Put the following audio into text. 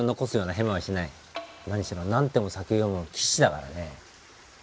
何しろ何手も先を読む棋士だからね。